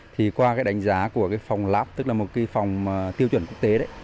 thì qua cái đánh giá của cái phòng lab tức là một cái phòng tiêu chuẩn quốc tế đấy